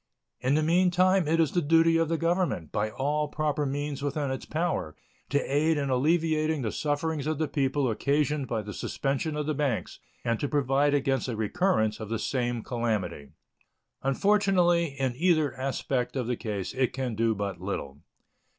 In the meantime it is the duty of the Government, by all proper means within its power, to aid in alleviating the sufferings of the people occasioned by the suspension of the banks and to provide against a recurrence of the same calamity. Unfortunately, in either aspect of the case it can do but little.